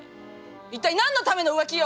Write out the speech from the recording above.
一体何のための浮気よ！